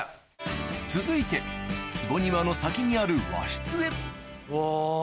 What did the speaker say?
続いて坪庭の先にあるうわ。